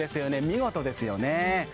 見事ですよね。